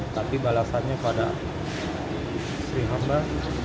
tapi balasannya pada sri hamba